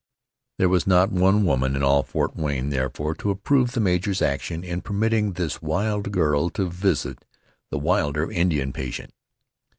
There was not one woman in all Fort Frayne, therefore, to approve the major's action in permitting this wild girl to visit the wilder Indian patient.